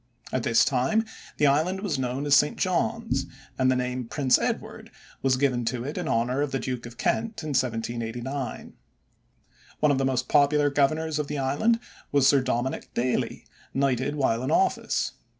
At this time the island was known as St. John's, and the name Prince Edward was given to it in honor of the Duke of Kent in 1789. One of the most popular governors of the island was Sir Dominick Daly, knighted while in office.